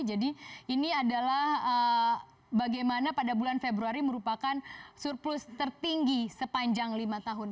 jadi ini adalah bagaimana pada bulan februari merupakan surplus tertinggi sepanjang lima tahun